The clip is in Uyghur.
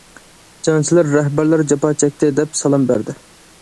جەڭچىلەر رەھبەرلەر جاپا چەكتى دەپ سالام بەردى.